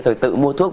rồi tự mua thuốc